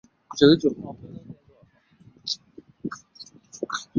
所以我们长出尾巴